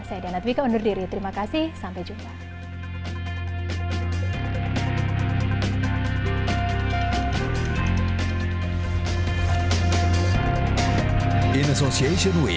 saya diana twika undur diri terima kasih sampai jumpa